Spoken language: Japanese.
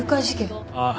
ああ。